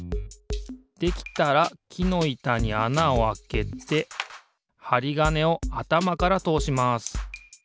できたらきのいたにあなをあけてはりがねをあたまからとおします。